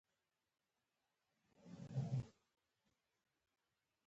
د ویانا د اوپرا موسیقي مشر د سندرو پر تخنیک پوهېده